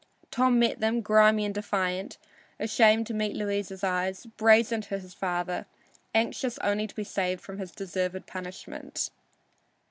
Tom met them, grimy and defiant, ashamed to meet Louisa's eyes, brazen to his father, anxious only to be saved from his deserved punishment.